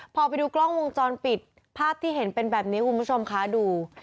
พอไปดูกล้องวงจรปิดภาพที่เห็นเป็นแบบนี้คุณผู้ชมคะดู